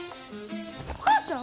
お母ちゃん？